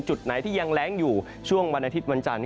จุดไหนที่ยังแร้งอยู่ช่วงวันอาทิตย์วันจันทร์